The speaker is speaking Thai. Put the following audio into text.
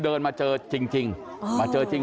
เพื่อนบ้านเจ้าหน้าที่อำรวจกู้ภัย